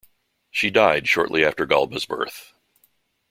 She died shortly after Galba's birth.